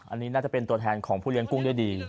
อันนี้น่าจะเป็นตัวแทนของผู้เลี้ยงกุ้งได้ดี